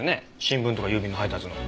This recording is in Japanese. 新聞とか郵便の配達の。